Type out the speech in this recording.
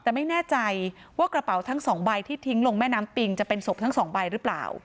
แต่ไม่แน่ใจว่ากระเป๋าทั้งสองใบที่ทิ้งลงแม่น้ำปิงจะเป็นศพทั้งสองใบหรือเปล่า